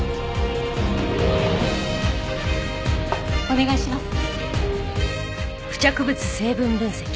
お願いします。